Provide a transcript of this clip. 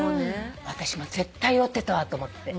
私今絶対酔ってたわと思って。